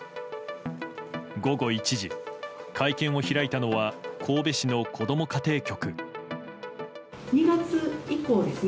午後１時、会見を開いたのは神戸市のこども家庭局。